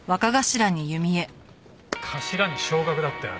頭に昇格だってある。